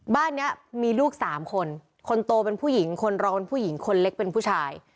บ้านนี้มีลูกสามคนคนโตเป็นผู้หญิงคนร้อนผู้หญิงคนเล็กเป็นผู้ชาย